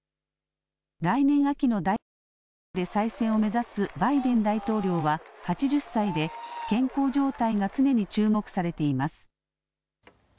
来年秋の大統領選挙で再選を目指すバイデン大統領は８０歳で健康状態が常に注目されています。